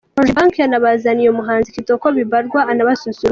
Cogebanque yanabazaniye Umuhanzi Kitoko Bibarwa arabasusurutsa.